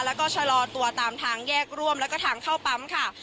แล้วก็ชะลอตัวตามทางแยกร่วมแล้วก็ทางเข้าปั๊มค่ะ